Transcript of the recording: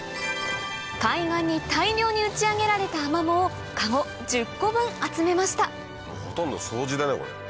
海岸に大量に打ち上げられたアマモをカゴ１０個分集めましたほとんど掃除だねこれ。